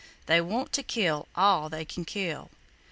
They want to kill all they can kill!"